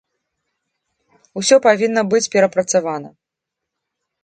Усё павінна быць перапрацавана.